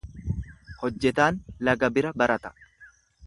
Hojjetaan laga bira barata.